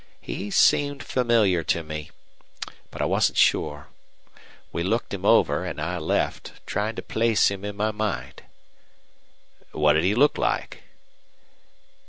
He seemed familiar to me. But I wasn't sure. We looked him over, an' I left, tryin' to place him in my mind." "What'd he look like?"